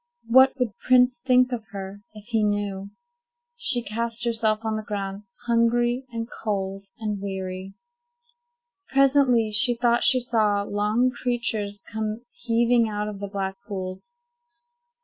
What would Prince think of her, if he knew? She cast herself on the ground, hungry, and cold, and weary. Presently, she thought she saw long creatures come heaving out of the black pools.